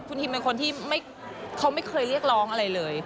คุณฮิมเป็นคนที่เขาไม่เคยเรียกร้องอะไรเลย